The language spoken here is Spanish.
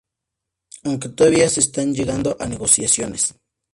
Aunque todavía se están llegando a negociaciones.